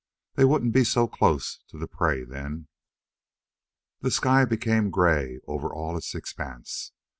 They wouldn't be so close to the prey then. The sky became gray over all its expanse.